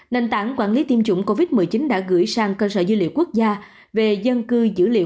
nền tảng quản lý tiêm chủng covid một mươi chín đã gửi sang cơ sở dữ liệu quốc gia về dân cư dữ liệu